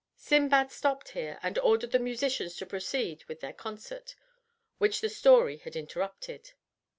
Sindbad stopped here, and ordered the musicians to proceed with their concert, which the story had interrupted.